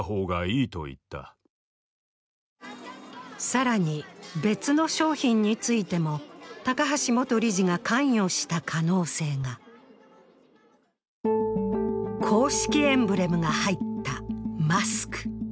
更に、別の商品についても高橋元理事が関与した可能性が公式エンブレムが入ったマスク。